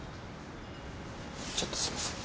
ちょっとすいません。